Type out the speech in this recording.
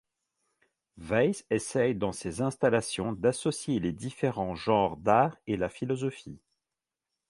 Weiss essaie dans ses installations d'associer les différents genres d'arts et la philosophie.